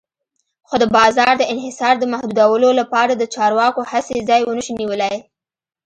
خو د بازار د انحصار د محدودولو لپاره د چارواکو هڅې ځای ونشو نیولی.